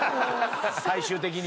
最終的には。